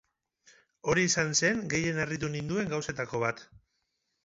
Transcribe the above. Hori izan zen gehien harritu ninduen gauzetako bat.